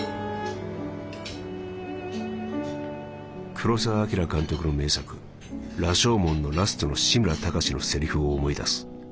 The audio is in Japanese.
「黒澤明監督の名作『羅生門』のラストの志村喬のセリフを思い出す。